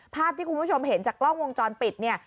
ภาพที่คุณผู้ชมเห็นจากกล้องวงจรปิดเนี่ย